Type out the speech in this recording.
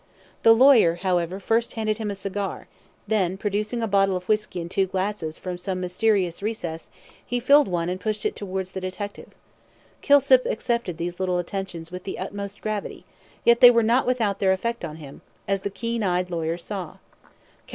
The lawyer, however, first handed him a cigar, and then producing a bottle of whisky and two glasses from some mysterious recess, he filled one and pushed it towards the detective. Kilsip accepted these little attentions with the utmost gravity, yet they were not without their effect on him, as the keen eyed lawyer saw.